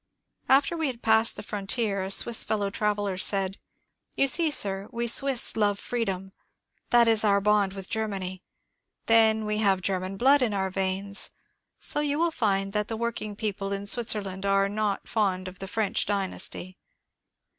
After we had passed the frontier a Swiss fellow traveller said :'^ You see, sir, we Swiss love freedom. That is our bond with Ger many. Then we have German blood in our veins. So you will find that the working people in Switzerland are not fond of the French dynasty.